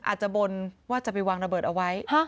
บนว่าจะไปวางระเบิดเอาไว้